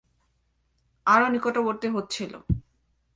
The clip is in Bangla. আরও নিকটবর্তী হচ্ছিল।